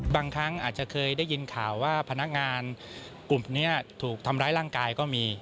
บางครั้งอาจจะเคยได้ยินข่าวว่าพนักงานกลุ่มนี้ถูกทำร้ายร่างกายก็มี